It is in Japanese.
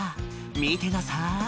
「見てなさい